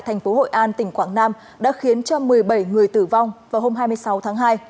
thành phố hội an tỉnh quảng nam đã khiến cho một mươi bảy người tử vong vào hôm hai mươi sáu tháng hai